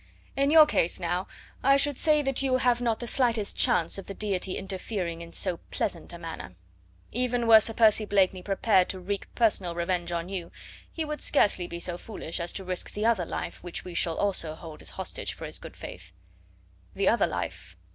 In your case, now, I should say that you have not the slightest chance of the Deity interfering in so pleasant a manner. Even were Sir Percy Blakeney prepared to wreak personal revenge on you, he would scarcely be so foolish as to risk the other life which we shall also hold as hostage for his good faith." "The other life?"